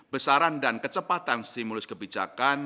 besaran dan kecepatan stimulus kebijakan